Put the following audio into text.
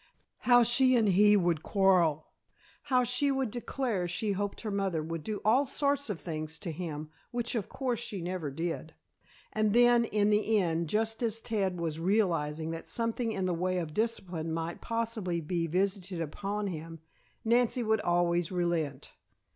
How she and he would quarrel, how she would declare she hoped her mother would do all sorts of things to him (which, of course, she never did), and then in the end, just as Ted was realizing that something in the way of discipline might possibly be visited upon him, Nancy would always relent.